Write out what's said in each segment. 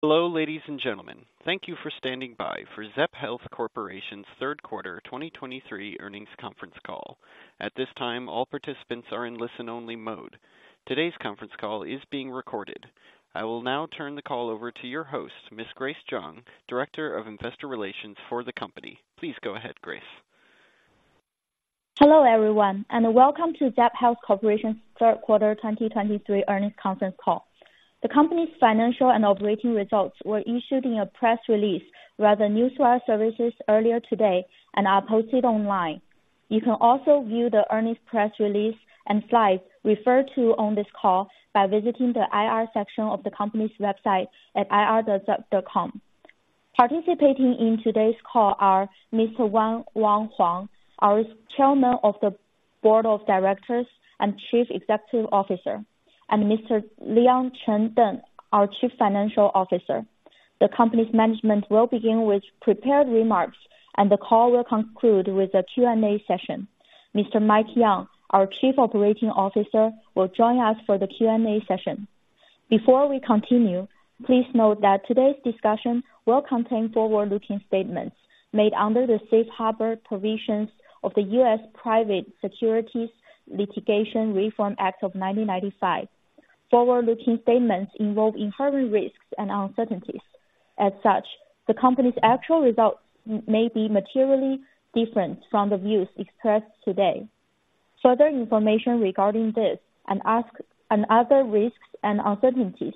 Hello, ladies and gentlemen. Thank you for standing by for Zepp Health Corporation's third quarter 2023 earnings conference call. At this time, all participants are in listen-only mode. Today's conference call is being recorded. I will now turn the call over to your host, Miss Grace Zhang, Director of Investor Relations for the company. Please go ahead, Grace. Hello, everyone, and welcome to Zepp Health Corporation's third quarter 2023 earnings conference call. The company's financial and operating results were issued in a press release via the Newswire services earlier today and are posted online. You can also view the earnings press release and slides referred to on this call by visiting the IR section of the company's website at ir.zepp.com. Participating in today's call are Mr. Wayne Wang Huang, our Chairman of the Board of Directors and Chief Executive Officer, and Mr. Leon Cheng Deng, our Chief Financial Officer. The company's management will begin with prepared remarks, and the call will conclude with a Q&A session. Mr. Mike Yeung, our Chief Operating Officer, will join us for the Q&A session. Before we continue, please note that today's discussion will contain forward-looking statements made under the Safe Harbor Provisions of the U.S. Private Securities Litigation Reform Act of 1995. Forward-looking statements involve inherent risks and uncertainties. As such, the company's actual results may be materially different from the views expressed today. Further information regarding this and other risks and uncertainties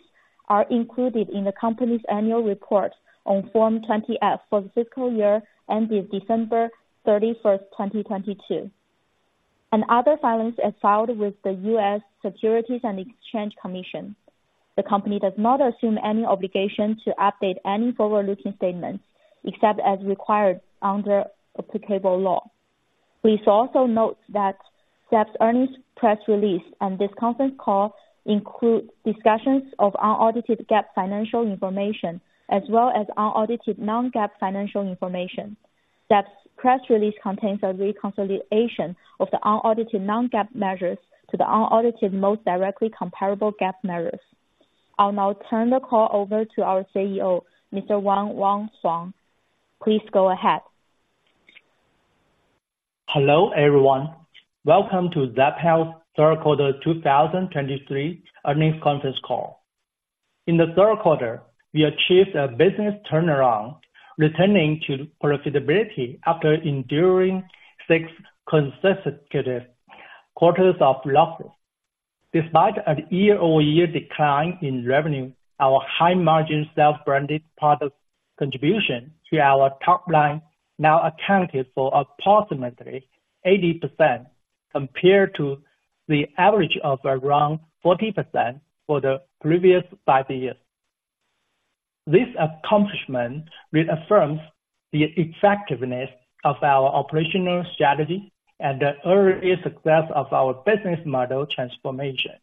are included in the company's annual report on Form 20-F for the fiscal year ending December 31, 2022, and other filings as filed with the U.S. Securities and Exchange Commission. The company does not assume any obligation to update any forward-looking statements, except as required under applicable law. Please also note that Zepp's earnings press release and this conference call include discussions of unaudited GAAP financial information, as well as unaudited non-GAAP financial information. Zepp's press release contains a reconciliation of the unaudited non-GAAP measures to the unaudited, most directly comparable GAAP measures. I'll now turn the call over to our CEO, Mr. Wayne Wang Huang. Please go ahead. Hello, everyone. Welcome to Zepp Health third quarter 2023 earnings conference call. In the third quarter, we achieved a business turnaround, returning to profitability after enduring six consecutive quarters of losses. Despite a year-over-year decline in revenue, our high-margin self-branded product contribution to our top line now accounted for approximately 80%, compared to the average of around 40% for the previous five years. This accomplishment reaffirms the effectiveness of our operational strategy and the early success of our business model transformation.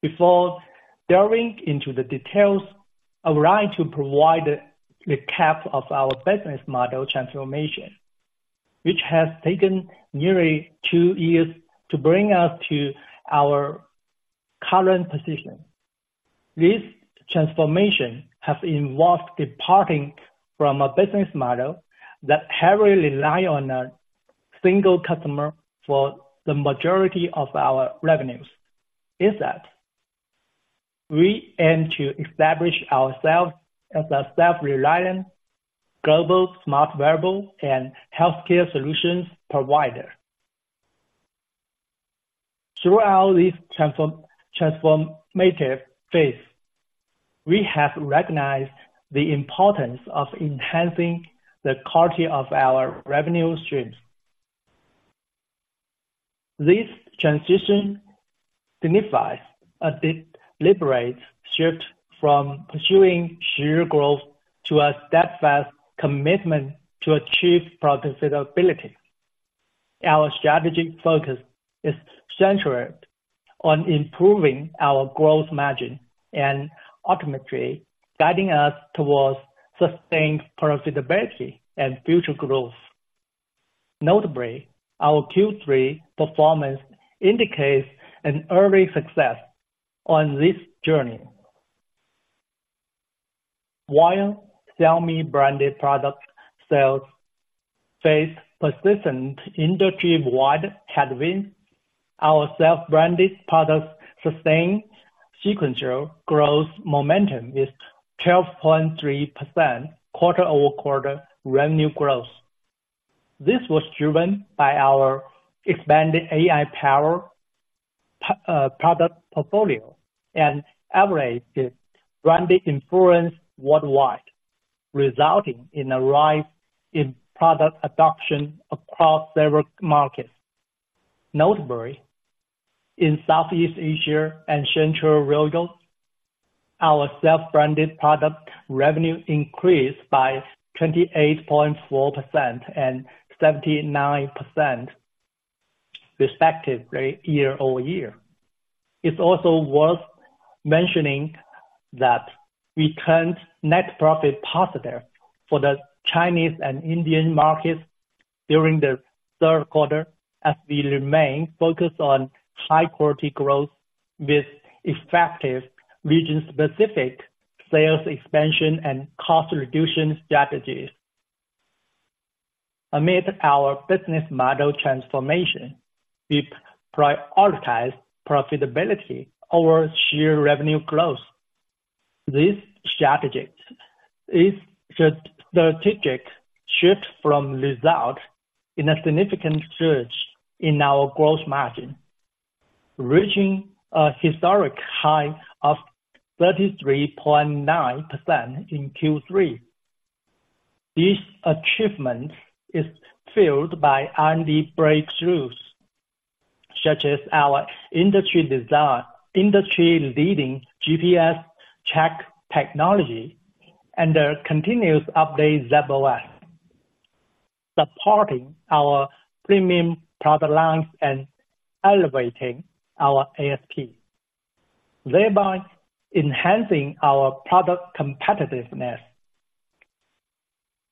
Before delving into the details, I would like to provide a recap of our business model transformation, which has taken nearly two years to bring us to our current position. This transformation has involved departing from a business model that heavily rely on a single customer for the majority of our revenues. Instead, we aim to establish ourselves as a self-reliant, global, smart, wearable, and healthcare solutions provider. Throughout this transformative phase, we have recognized the importance of enhancing the quality of our revenue streams. This transition signifies a deliberate shift from pursuing share growth to a steadfast commitment to achieve profitability. Our strategic focus is centered on improving our gross margin and ultimately guiding us towards sustained profitability and future growth. Notably, our Q3 performance indicates an early success on this journey. While Xiaomi branded product sales faced persistent industry-wide headwinds, our self-branded products sustained sequential growth momentum with 12.3% quarter-over-quarter revenue growth. This was driven by our expanded AI-powered product portfolio and elevated brand influence worldwide, resulting in a rise in product adoption across several markets. Notably, in Southeast Asia and Central Europe, our self-branded product revenue increased by 28.4% and 79%, respectively, year-over-year. It's also worth mentioning that we turned net profit positive for the Chinese and Indian markets during the third quarter, as we remain focused on high quality growth with effective region-specific sales expansion and cost reduction strategies. Amid our business model transformation, we prioritize profitability over sheer revenue growth. This strategy is the strategic shift from result in a significant surge in our gross margin, reaching a historic high of 33.9% in Q3. This achievement is fueled by R&D breakthroughs, such as our industry-leading GPS track technology and the continuous update Zepp OS, supporting our premium product lines and elevating our ASP, thereby enhancing our product competitiveness.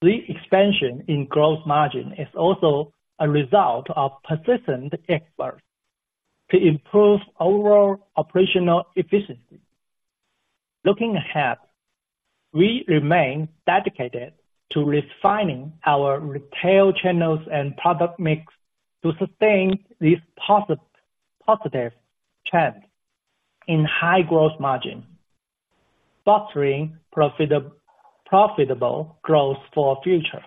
The expansion in gross margin is also a result of persistent efforts to improve overall operational efficiency. Looking ahead, we remain dedicated to refining our retail channels and product mix to sustain this positive trend in high gross margin, fostering profitable growth for future.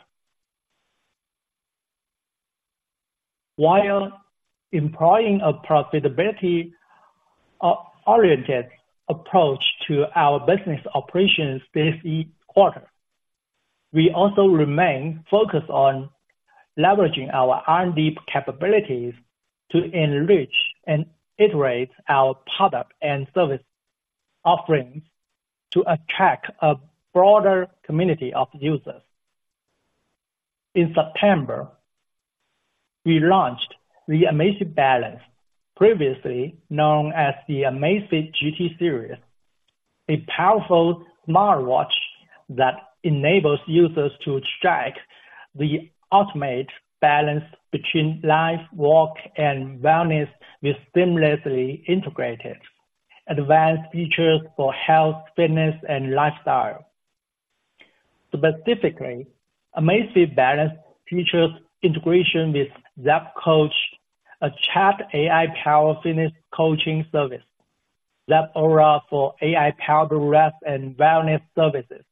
While employing a profitability-oriented approach to our business operations this quarter, we also remain focused on leveraging our R&D capabilities to enrich and iterate our product and service offerings to attract a broader community of users. In September, we launched the Amazfit Balance, previously known as the Amazfit GT Series, a powerful smartwatch that enables users to strike the ultimate balance between life, work, and wellness, with seamlessly integrated advanced features for health, fitness, and lifestyle. Specifically, Amazfit Balance features integration with Zepp Coach, a chat AI-powered fitness coaching service, Zepp Aura for AI-powered rest and wellness services,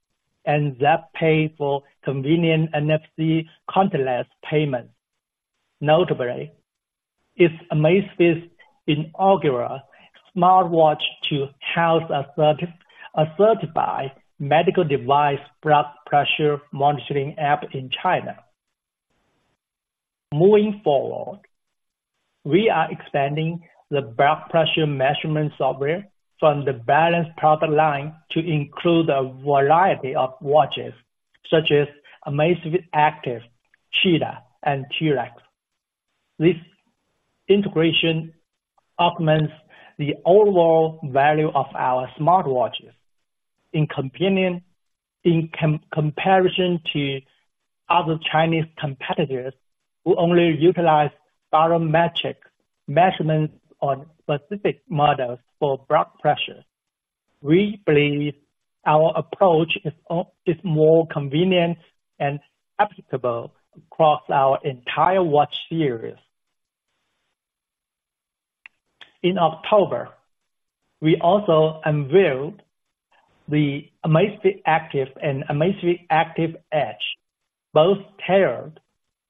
and Zepp Pay for convenient NFC contactless payments. Notably, it's Amazfit's inaugural smartwatch to house a certified medical device blood pressure monitoring app in China. Moving forward, we are expanding the blood pressure measurement software from the Balance product line to include a variety of watches, such as Amazfit Active, Cheetah, and T-Rex. This integration augments the overall value of our smartwatches. In comparison to other Chinese competitors who only utilize barometric measurements on specific models for blood pressure, we believe our approach is more convenient and applicable across our entire watch series. In October, we also unveiled the Amazfit Active and Amazfit Active Edge, both tailored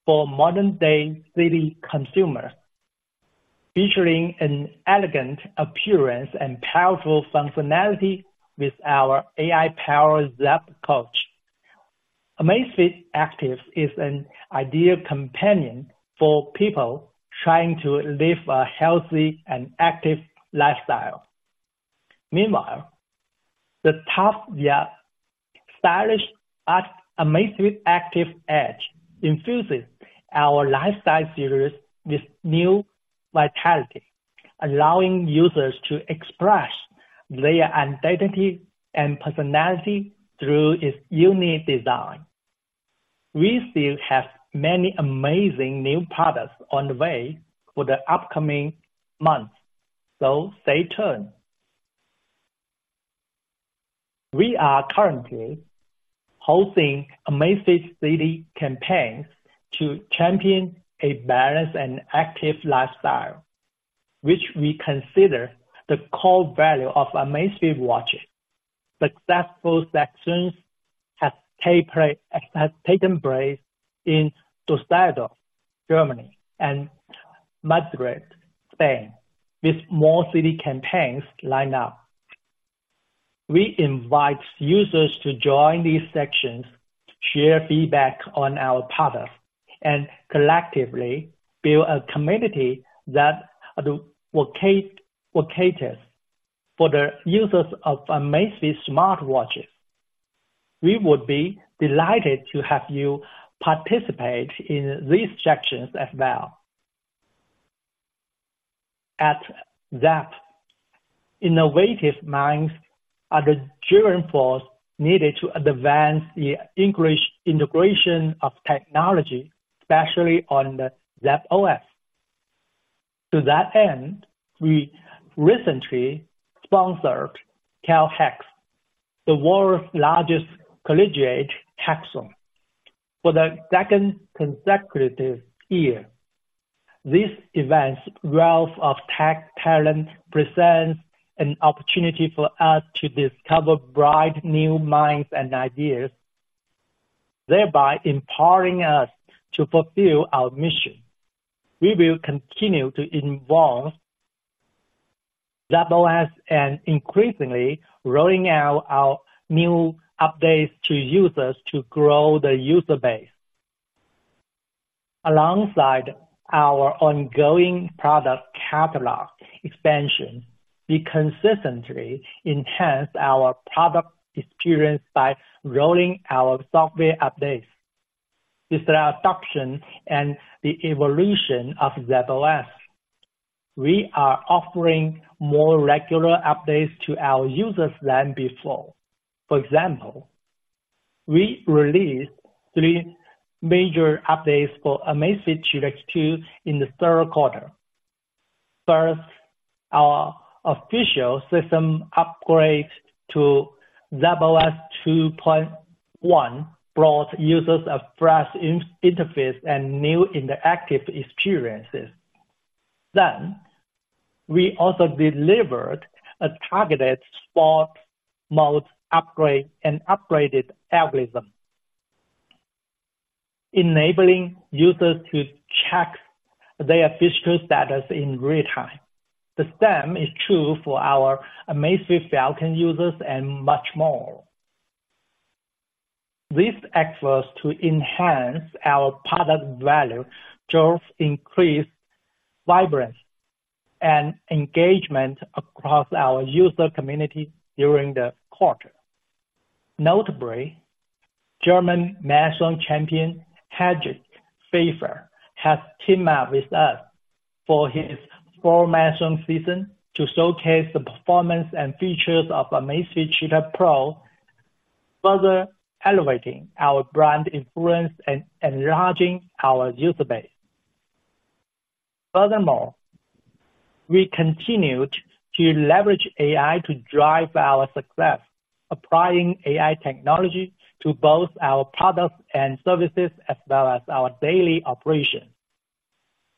for modern-day city consumers, featuring an elegant appearance and powerful functionality with our AI-powered Zepp Coach. Amazfit Active is an ideal companion for people trying to live a healthy and active lifestyle. Meanwhile, the tough yet stylish Amazfit Active Edge infuses our lifestyle series with new vitality, allowing users to express their identity and personality through its unique design. We still have many amazing new products on the way for the upcoming months, so stay tuned. We are currently hosting Amazfit city campaigns to champion a balanced and active lifestyle, which we consider the core value of Amazfit watches. Successful sessions have taken place in Düsseldorf, Germany, and Madrid, Spain, with more city campaigns lined up. We invite users to join these sessions, share feedback on our products, and collectively build a community that advocates for the users of Amazfit smartwatches. We would be delighted to have you participate in these sessions as well. At Zepp, innovative minds are the driving force needed to advance the increased integration of technology, especially on the Zepp OS. To that end, we recently sponsored Cal Hacks, the world's largest collegiate hackathon, for the second consecutive year. This event's wealth of tech talent presents an opportunity for us to discover bright new minds and ideas, thereby empowering us to fulfill our mission. We will continue to involve Zepp OS and increasingly rolling out our new updates to users to grow the user base. Alongside our ongoing product catalog expansion, we consistently enhance our product experience by rolling out software updates. With the adoption and the evolution of Zepp OS, we are offering more regular updates to our users than before. For example, we released three major updates for Amazfit GTR 2 in the third quarter. First, our official system upgrade to Zepp OS 2.1 brought users a fresh in-interface and new interactive experiences. Then, we also delivered a targeted sport mode upgrade and upgraded algorithm, enabling users to check their physical status in real time. The same is true for our Amazfit Falcon users and much more. These efforts to enhance our product value drove increased vibrancy and engagement across our user community during the quarter. Notably, German marathon champion Hendrik Pfeiffer has teamed up with us for his full marathon season to showcase the performance and features of Amazfit Cheetah Pro, further elevating our brand influence and enlarging our user base. Furthermore, we continued to leverage AI to drive our success, applying AI technology to both our products and services, as well as our daily operations,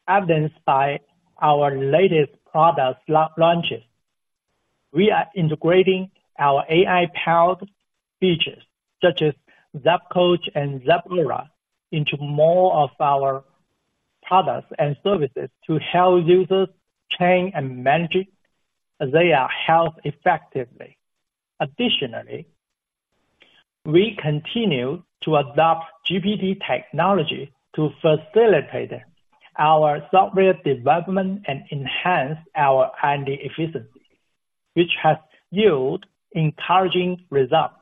evidenced by our latest product launches. We are integrating our AI-powered features, such as Zepp Coach and Zepp Aura, into more of our products and services to help users train and manage their health effectively. Additionally, we continue to adopt GPT technology to facilitate our software development and enhance our R&D efficiency, which has yield encouraging results.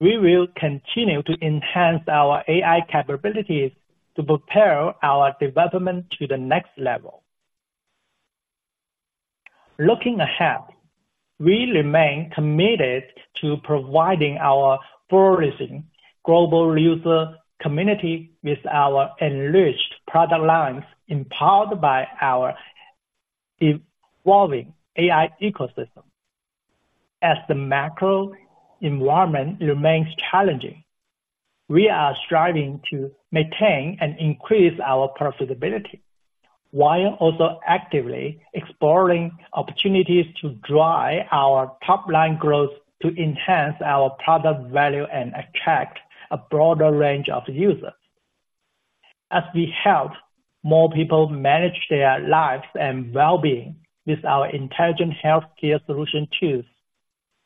We will continue to enhance our AI capabilities to propel our development to the next level. Looking ahead, we remain committed to providing our flourishing global user community with our enriched product lines, empowered by our evolving AI ecosystem. As the macro environment remains challenging, we are striving to maintain and increase our profitability, while also actively exploring opportunities to drive our top-line growth to enhance our product value and attract a broader range of users. As we help more people manage their lives and well-being with our intelligent healthcare solution tools,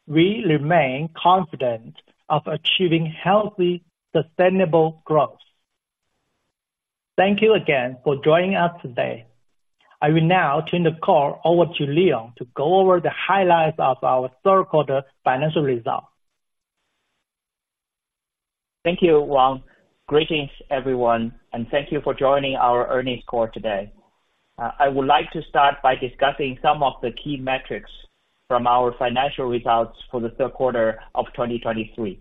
we remain confident of achieving healthy, sustainable growth. Thank you again for joining us today. I will now turn the call over to Leon to go over the highlights of our third quarter financial results. Thank you, Wang. Greetings, everyone, and thank you for joining our earnings call today. I would like to start by discussing some of the key metrics from our financial results for the third quarter of 2023.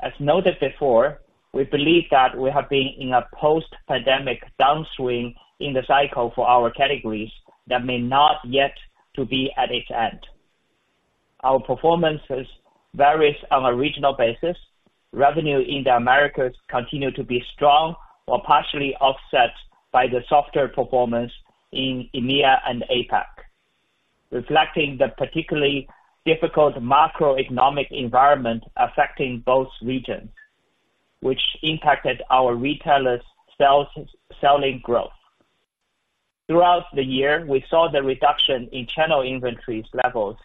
As noted before, we believe that we have been in a post-pandemic downswing in the cycle for our categories that may not yet to be at its end. Our performances varies on a regional basis. Revenue in the Americas continued to be strong or partially offset by the softer performance in EMEA and APAC, reflecting the particularly difficult macroeconomic environment affecting both regions, which impacted our retailers' sales, sell-in growth. Throughout the year, we saw the reduction in channel inventories levels,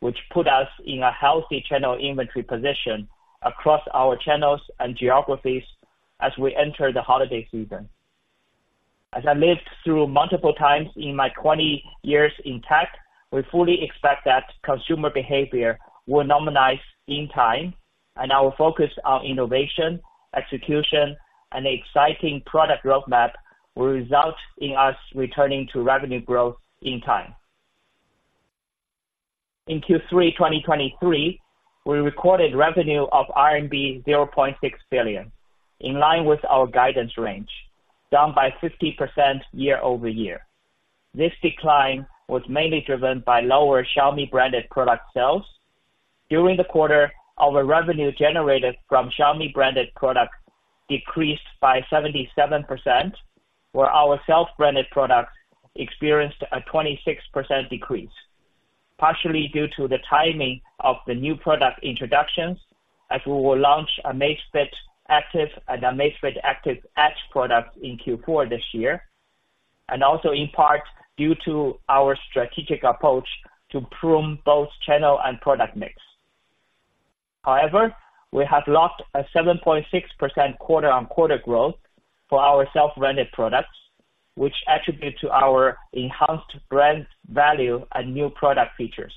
which put us in a healthy channel inventory position across our channels and geographies as we enter the holiday season. As I lived through multiple times in my 20 years in tech, we fully expect that consumer behavior will normalize in time. And our focus on innovation, execution, and exciting product roadmap will result in us returning to revenue growth in time. In Q3 2023, we recorded revenue of RMB 0.6 billion, in line with our guidance range, down 50% year-over-year. This decline was mainly driven by lower Xiaomi branded product sales. During the quarter, our revenue generated from Xiaomi branded products decreased by 77%, where our self-branded products experienced a 26% decrease, partially due to the timing of the new product introductions, as we will launch a Amazfit Active and Amazfit Active Edge product in Q4 this year, and also in part due to our strategic approach to prune both channel and product mix. However, we have locked a 7.6% quarter-on-quarter growth for our self-branded products, which attribute to our enhanced brand value and new product features.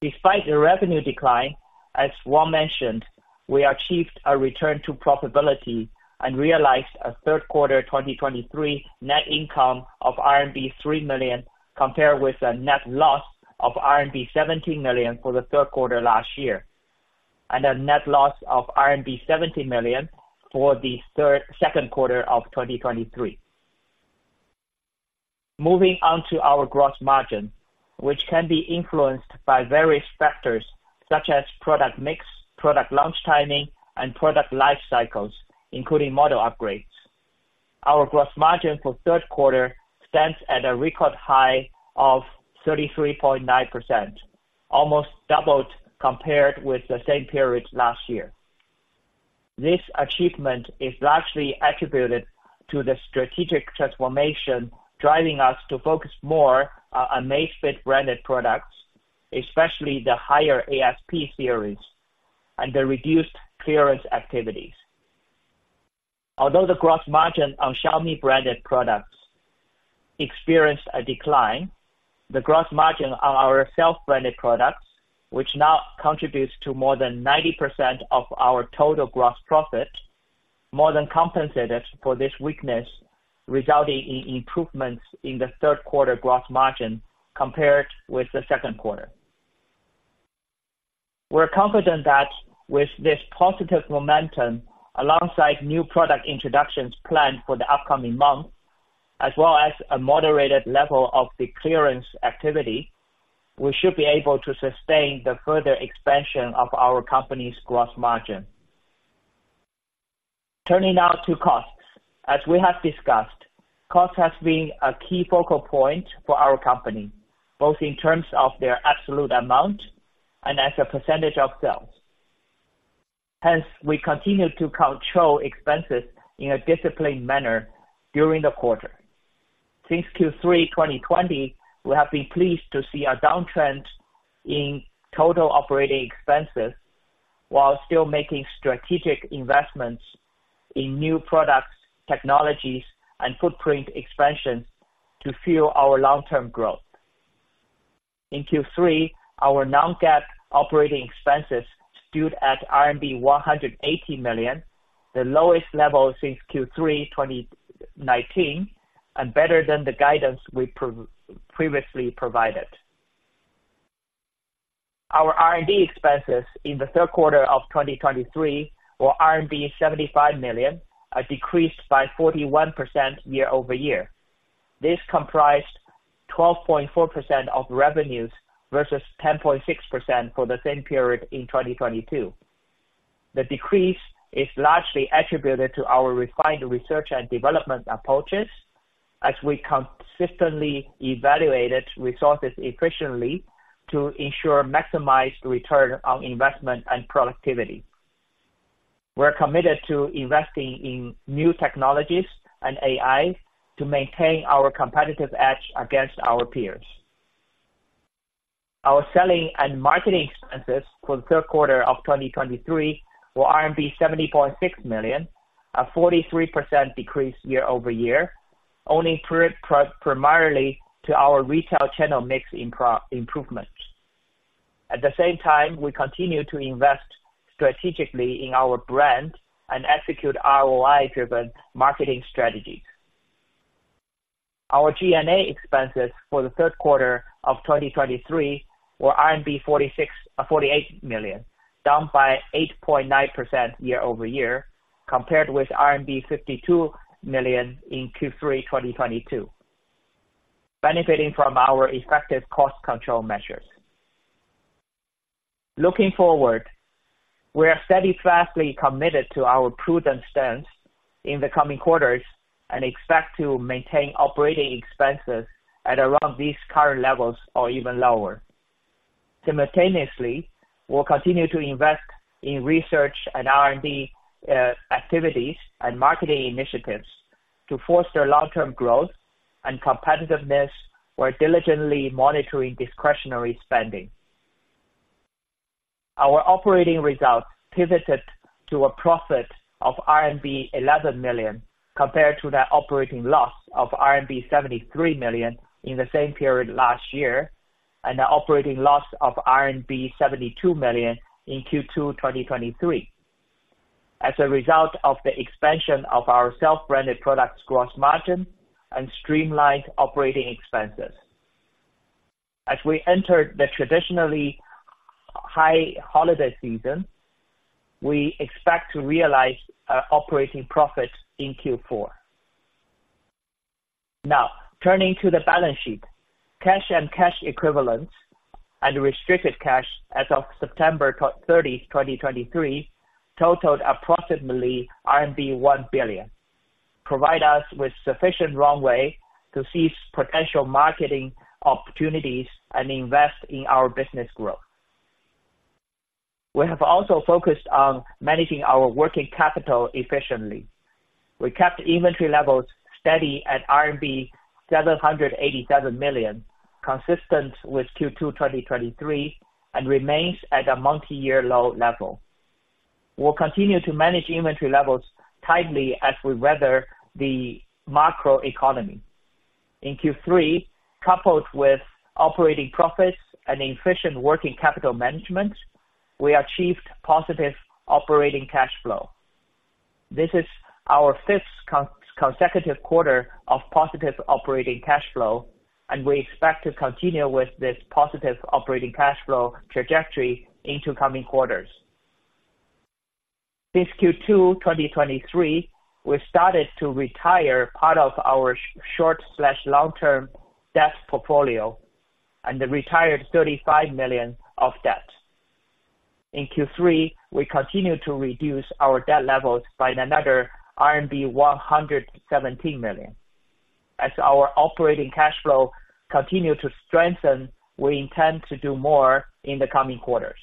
Despite the revenue decline, as Wang mentioned, we achieved a return to profitability and realized a third quarter 2023 net income of RMB 3 million, compared with a net loss of RMB 17 million for the third quarter last year, and a net loss of RMB 17 million for the second quarter of 2023. Moving on to our gross margin, which can be influenced by various factors such as product mix, product launch timing, and product life cycles, including model upgrades. Our gross margin for third quarter stands at a record high of 33.9%, almost doubled compared with the same period last year. This achievement is largely attributed to the strategic transformation, driving us to focus more on Amazfit branded products, especially the higher ASP series and the reduced clearance activities. Although the gross margin on Xiaomi branded products experienced a decline, the gross margin on our self-branded products, which now contributes to more than 90% of our total gross profit, more than compensated for this weakness, resulting in improvements in the third quarter gross margin compared with the second quarter. We're confident that with this positive momentum, alongside new product introductions planned for the upcoming months, as well as a moderated level of the clearance activity, we should be able to sustain the further expansion of our company's gross margin. Turning now to costs. As we have discussed, cost has been a key focal point for our company, both in terms of their absolute amount and as a percentage of sales. Hence, we continued to control expenses in a disciplined manner during the quarter. Since Q3 2020, we have been pleased to see a downtrend in total operating expenses while still making strategic investments in new products, technologies, and footprint expansion to fuel our long-term growth. In Q3, our non-GAAP operating expenses stood at RMB 100 million, the lowest level since Q3 2019, and better than the guidance we previously provided. Our R&D expenses in the third quarter of 2023 were RMB 75 million, a decreased by 41% year-over-year. This comprised 12.4% of revenues versus 10.6% for the same period in 2022. The decrease is largely attributed to our refined research and development approaches, as we consistently evaluated resources efficiently to ensure maximized return on investment and productivity. We're committed to investing in new technologies and AI to maintain our competitive edge against our peers. Our selling and marketing expenses for the third quarter of 2023 were RMB 70.6 million, a 43% decrease year-over-year, owing primarily to our retail channel mix improvements. At the same time, we continue to invest strategically in our brand and execute ROI-driven marketing strategies. Our G&A expenses for the third quarter of 2023 were RMB 46, uh, 48 million, down by 8.9% year-over-year, compared with RMB 52 million in Q3 2022, benefiting from our effective cost control measures. Looking forward, we are steadfastly committed to our prudent stance in the coming quarters and expect to maintain operating expenses at around these current levels or even lower. Simultaneously, we'll continue to invest in research and R&D activities and marketing initiatives to foster long-term growth and competitiveness, while diligently monitoring discretionary spending. Our operating results pivoted to a profit of RMB 11 million, compared to the operating loss of RMB 73 million in the same period last year, and an operating loss of RMB 72 million in Q2 2023. As a result of the expansion of our self-branded products gross margin and streamlined operating expenses. As we enter the traditionally high holiday season, we expect to realize operating profits in Q4. Now, turning to the balance sheet. Cash and cash equivalents and restricted cash as of September 30, 2023, totaled approximately RMB 1 billion, provide us with sufficient runway to seize potential marketing opportunities and invest in our business growth. We have also focused on managing our working capital efficiently. We kept inventory levels steady at RMB 787 million, consistent with Q2 2023, and remains at a multi-year low level. We'll continue to manage inventory levels tightly as we weather the macro economy. In Q3, coupled with operating profits and efficient working capital management, we achieved positive operating cash flow. This is our fifth consecutive quarter of positive operating cash flow, and we expect to continue with this positive operating cash flow trajectory into coming quarters. Since Q2 2023, we started to retire part of our short- and long-term debt portfolio, and retired 35 million of debt. In Q3, we continued to reduce our debt levels by another RMB 117 million. As our operating cash flow continue to strengthen, we intend to do more in the coming quarters.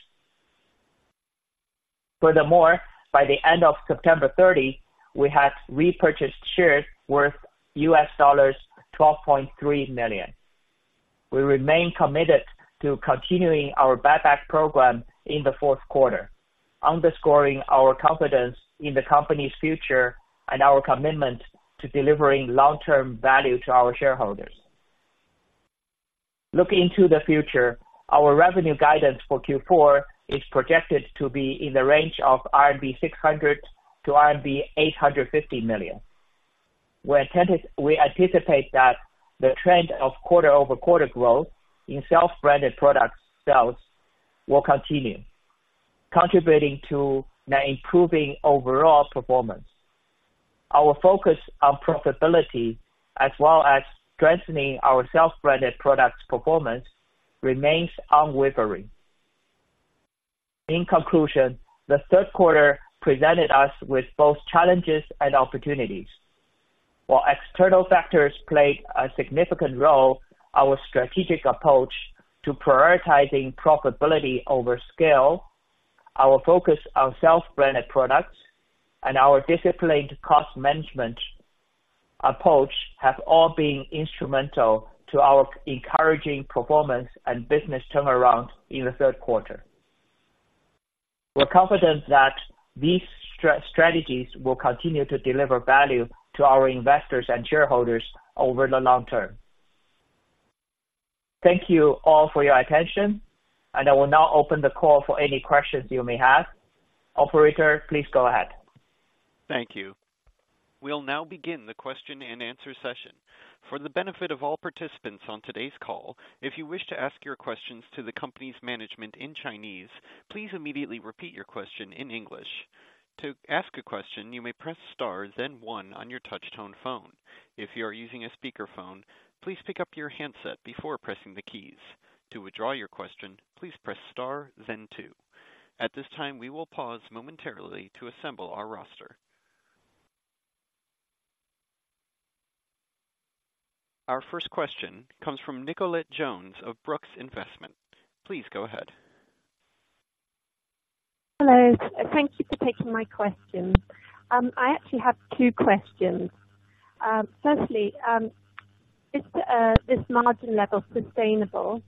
Furthermore, by the end of September 30, we had repurchased shares worth $12.3 million. We remain committed to continuing our buyback program in the fourth quarter, underscoring our confidence in the company's future and our commitment to delivering long-term value to our shareholders. Looking to the future, our revenue guidance for Q4 is projected to be in the range of 600 million-850 million RMB. we anticipate that the trend of quarter-over-quarter growth in self-branded product sales will continue, contributing to the improving overall performance. Our focus on profitability, as well as strengthening our self-branded products performance, remains unwavering. In conclusion, the third quarter presented us with both challenges and opportunities. While external factors played a significant role, our strategic approach to prioritizing profitability over scale, our focus on self-branded products, and our disciplined cost management approach, have all been instrumental to our encouraging performance and business turnaround in the third quarter. We're confident that these strategies will continue to deliver value to our investors and shareholders over the long term. Thank you all for your attention, and I will now open the call for any questions you may have. Operator, please go ahead. Thank you. We'll now begin the question-and-answer session. For the benefit of all participants on today's call, if you wish to ask your questions to the company's management in Chinese, please immediately repeat your question in English. To ask a question, you may press star, then one on your touch tone phone. If you are using a speakerphone, please pick up your handset before pressing the keys. To withdraw your question, please press star, then two. At this time, we will pause momentarily to assemble our roster. Our first question comes from Nicolette Jones of Brooks Investment. Please go ahead. Hello, thank you for taking my question. I actually have two questions. Firstly, is this margin level sustainable?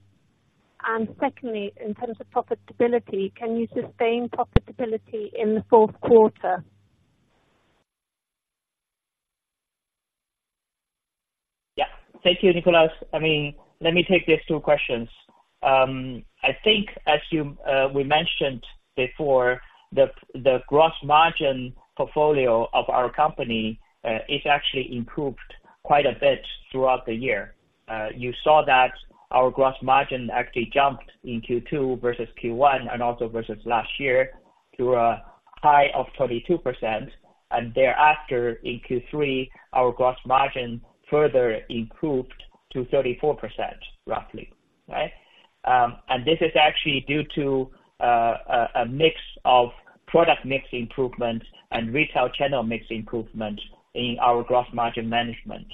And secondly, in terms of profitability, can you sustain profitability in the fourth quarter? Yeah. Thank you, Nicolette. I mean, let me take these two questions. I think as you we mentioned before, the gross margin portfolio of our company, it actually improved quite a bit throughout the year. You saw that our gross margin actually jumped in Q2 versus Q1, and also versus last year, to a high of 32%, and thereafter in Q3, our gross margin further improved to 34%, roughly, right? And this is actually due to a mix of product mix improvement and retail channel mix improvement in our gross margin management.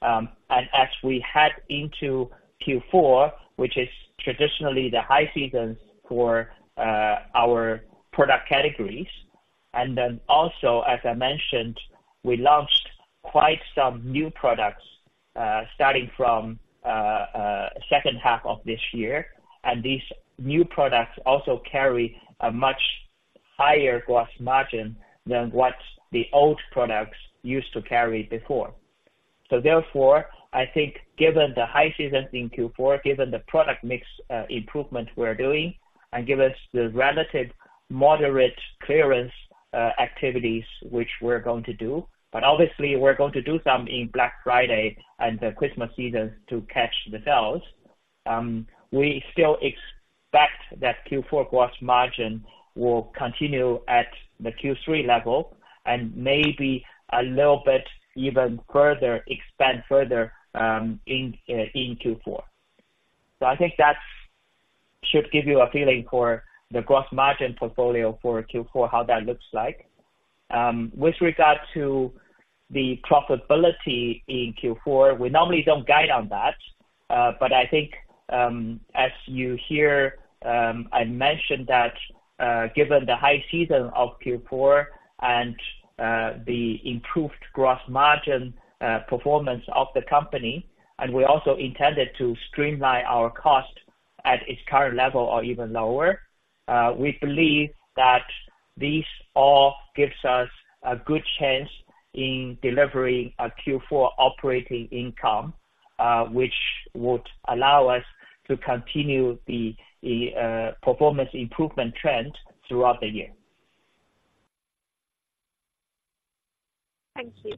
And as we head into Q4, which is traditionally the high seasons for our product categories, and then also, as I mentioned, we launched-... Quite some new products starting from second half of this year, and these new products also carry a much higher gross margin than what the old products used to carry before. So therefore, I think given the high season in Q4, given the product mix improvement we're doing, and given the relative moderate clearance activities which we're going to do, but obviously we're going to do some in Black Friday and the Christmas season to catch the sales. We still expect that Q4 gross margin will continue at the Q3 level and maybe a little bit even further expand further in Q4. So I think that should give you a feeling for the gross margin portfolio for Q4, how that looks like. With regard to the profitability in Q4, we normally don't guide on that. But I think, as you hear, I mentioned that, given the high season of Q4 and the improved gross margin performance of the company, and we also intended to streamline our cost at its current level or even lower, we believe that this all gives us a good chance in delivering a Q4 operating income, which would allow us to continue the performance improvement trend throughout the year. Thank you.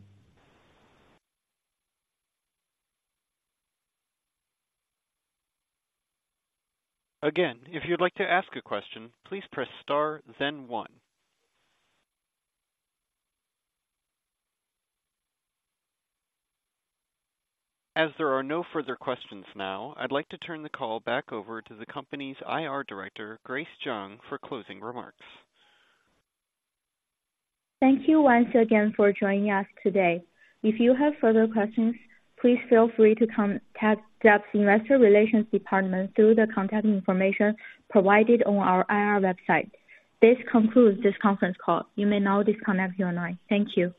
Again, if you'd like to ask a question, please press Star, then one. As there are no further questions now, I'd like to turn the call back over to the company's IR Director, Grace Zhang, for closing remarks. Thank you once again for joining us today. If you have further questions, please feel free to contact Zepp Health's Investor Relations Department through the contact information provided on our IR website. This concludes this conference call. You may now disconnect your line. Thank you.